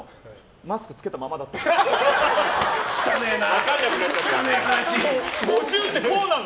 マスクを着けたままだったの。